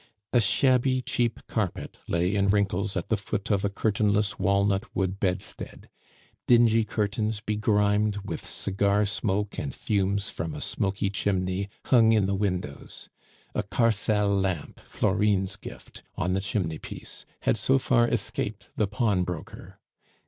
A shabby, cheap carpet lay in wrinkles at the foot of a curtainless walnut wood bedstead; dingy curtains, begrimed with cigar smoke and fumes from a smoky chimney, hung in the windows; a Carcel lamp, Florine's gift, on the chimney piece, had so far escaped the pawnbroker.